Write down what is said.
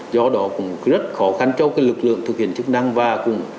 do đó cũng rất khó khăn cho lực lượng thực hiện chức năng và cũng